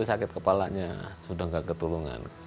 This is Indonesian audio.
saya ke depan kepalanya sudah tidak ketulungan